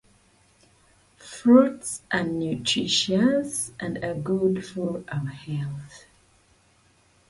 The construction of the system met with many interruptions.